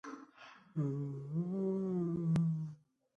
ثمرګل د خپل زوی هیلو ته په ډېر دقت سره غوږ ونیو.